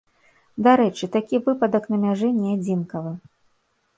Дарэчы, такі выпадак на мяжы не адзінкавы.